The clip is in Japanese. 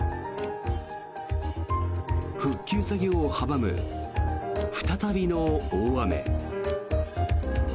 復旧作業を阻む、再びの大雨。